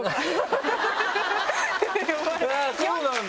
そうなんだ。